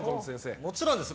もちろんです。